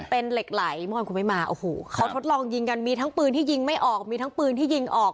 เป็นเหล็กไหลเมื่อวานคุณไม่มาโอ้โหเขาทดลองยิงกันมีทั้งปืนที่ยิงไม่ออกมีทั้งปืนที่ยิงออก